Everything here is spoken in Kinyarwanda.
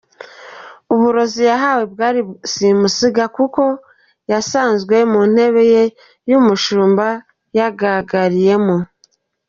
Uburozi yahawe bwari simusiga kuko yasanzwe mu ntebe ye y’umushumba yagagariye mo.